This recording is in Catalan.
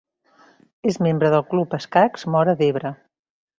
És membre del Club Escacs Móra d'Ebre.